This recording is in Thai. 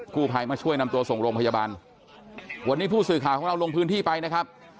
ผู้ภัยมาช่วยนำตัวส่งโรงพยาบาลวันนี้ผู้สื่อข่าวของเราลงพื้นที่ไปนะครับ